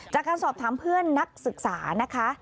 จากการสอบถามเพื่อนนักศึกษานะคะ